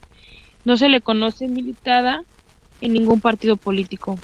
No se le conoce militancia en ningún partido político.